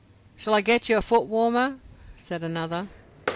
—"Shall I get you a foot warmer?" said another.